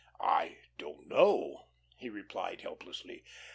"I don't know," he replied helplessly.